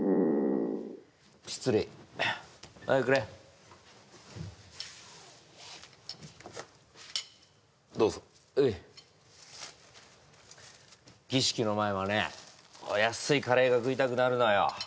失礼おいくれどうぞうい儀式の前はねやっすいカレーが食いたくなるのよ